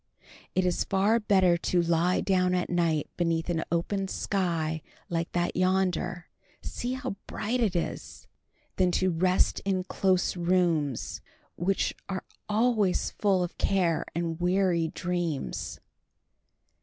It is far better to lie down at night beneath an open sky like that yonder—see how bright it is!—than to rest in close rooms, which are always full of care and weary dreams.